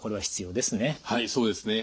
はいそうですね。